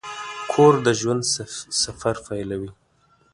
کور د ژوند سفر پیلوي.